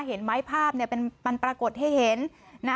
เห็นไหมภาพมันปรากฏให้เห็นนะ